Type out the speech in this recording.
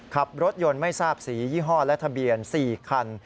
ขับรถยนต์ไม่ทราบสียี่ห้อและทะเบียน๔คัน